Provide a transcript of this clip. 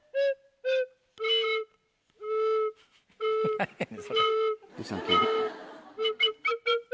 何やねんそれ。